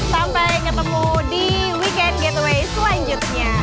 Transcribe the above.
sampai ketemu di weekend getaway selanjutnya